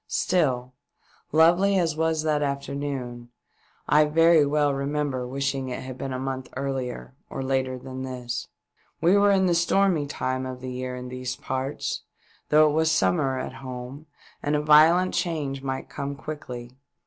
Still, lovely as was that afternoon, I very well remember wishing it had been a month earlier or later than this. We were in the stormy time of the year in these parts, though it was summer at home, and a violent change might quickly come.